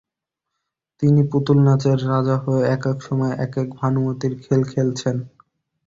তিনি পুতুল নাচের রাজা হয়ে একেক সময় একেক ভানুমতির খেল খেলছেন।